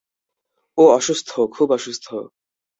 ও অসুস্থ, খুব অসুস্থ।